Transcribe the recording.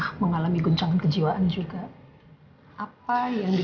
kalau menurut dia